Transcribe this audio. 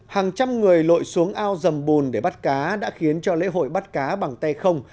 hàng trăm người lội xuống ao dầm bùn để bắt cá đã khiến cho lễ hội bắt cá bằng tay không